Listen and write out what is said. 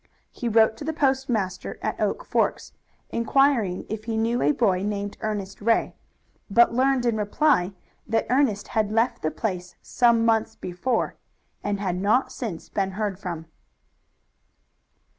He wrote to the postmaster at Oak Forks, inquiring if he knew a boy named Ernest Ray, but learned in reply that Ernest had left the place some months before, and had not since been heard from.